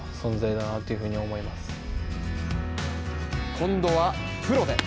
今度はプロで。